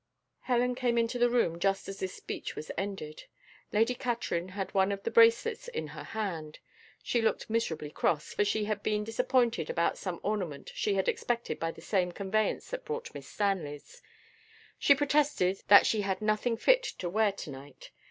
Helen came into the room just as this speech was ended. Lady Katrine had one of the bracelets in her hand. She looked miserably cross, for she had been disappointed about some ornaments she had expected by the same conveyance that brought Miss Stanley's. She protested that she had nothing fit to wear to night.